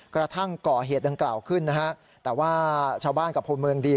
กระทั่งก่อเหตุดังกล่าวขึ้นนะฮะแต่ว่าชาวบ้านกับพลเมืองดี